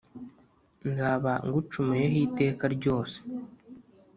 nzaba ngucumuyeho iteka ryose